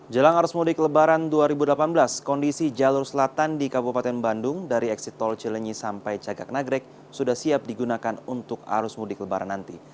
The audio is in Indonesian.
jelang arus mudik lebaran dua ribu delapan belas kondisi jalur selatan di kabupaten bandung dari eksit tol cilenyi sampai cagak nagrek sudah siap digunakan untuk arus mudik lebaran nanti